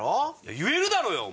言えるだろうよ！